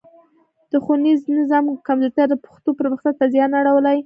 د ښوونیز نظام کمزورتیا د پښتو پرمختګ ته زیان اړولی.